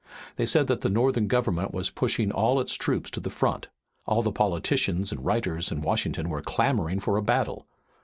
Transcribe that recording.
They said that the Northern government was pushing all its troops to the front. All the politicians and writers in Washington were clamoring for a battle.